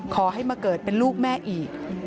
ขอให้มาเกิดเป็นลูกแม่อีก